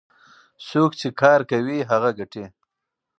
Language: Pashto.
څوک چې کار کوي هغه ګټي.